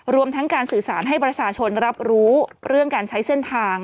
รวมทั้งการสื่อสารให้ประชาชนรับรู้เรื่องการใช้เส้นทาง